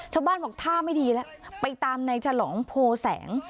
ชาวบ้านบอกท่าไม่ดีแล้วไปตามในฉลองโพแสง